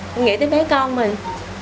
mình nghĩ tới bé con mình